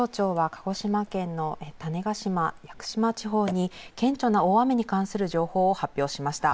気象庁は鹿児島県の種子島・屋久島地方に顕著な大雨に関する情報を発表しました。